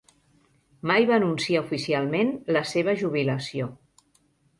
Mai va anunciar oficialment la seva jubilació.